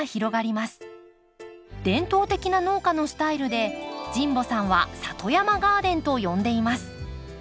伝統的な農家のスタイルで神保さんは「里山ガーデン」と呼んでいます。